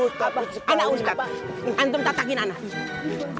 ustadz antum tatakin anak